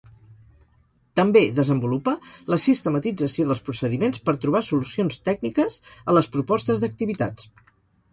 També desenvolupa la sistematització dels procediments per trobar solucions tècniques a les propostes d'activitats.